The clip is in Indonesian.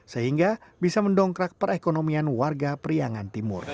sehingga bisa mendongkrak perekonomian warga priangan timur